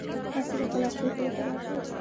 تاسو به کله خپل کلي ته راشئ